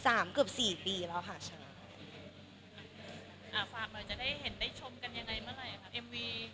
ฝากเราจะได้เห็นได้ชมกันยังไงเมื่อไหร่ครับเอ็มวี